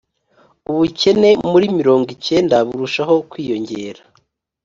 ubukene muri mirongo icyenda burushaho kwiyongera